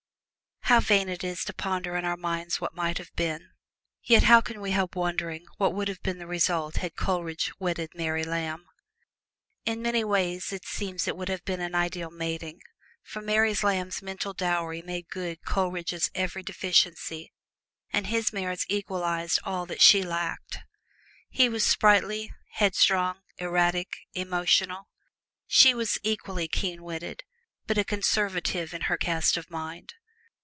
How vain it is to ponder in our minds the what might have been! Yet how can we help wondering what would have been the result had Coleridge wedded Mary Lamb! In many ways it seems it would have been an ideal mating, for Mary Lamb's mental dowry made good Coleridge's every deficiency, and his merits equalized all that she lacked. He was sprightly, headstrong, erratic, emotional; she was equally keen witted, but a conservative in her cast of mind.